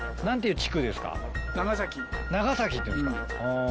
長崎っていうんですか。